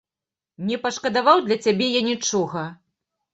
Не пашкадаваў для цябе я нічога.